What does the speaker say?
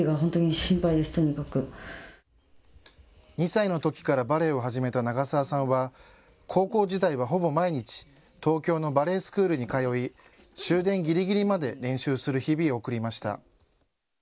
２歳のときからバレエを始めた長澤さんは高校時代はほぼ毎日、東京のバレエスクールに通い終電ぎりぎりまで練習する日々を送りました。